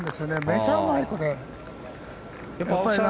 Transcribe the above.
めちゃうまい、これ。